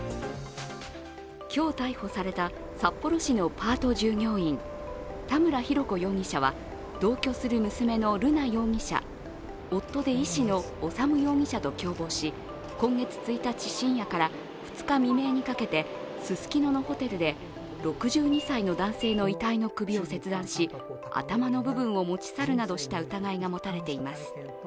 今日逮捕された札幌市のパート従業員、田村浩子容疑者は同居する娘の瑠奈容疑者、夫で医師の修容疑者と共謀し、今月１日深夜から、２日未明にかけてススキノのホテルで６２歳の男性の遺体の首を切断し、頭の部分を持ち去るなどした疑いが持たれています。